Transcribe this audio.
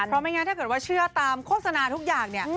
เพราะไม่งั้นถ้าเกิดว่าเชื่อตามโฆษณาทุกอย่างเนี่ย